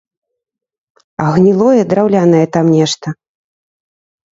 А, гнілое драўлянае там нешта?